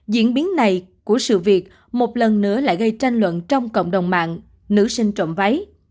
diễn biến này của sự việc một lần nữa lại gây tranh luận trong cộng đồng mạng nữ sinh trộm váy